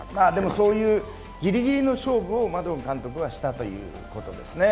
そういうぎりぎりの勝負をマドン監督はしたということですね。